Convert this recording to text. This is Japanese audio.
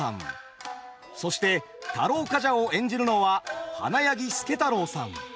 そして太郎冠者を演じるのは花柳輔太朗さん。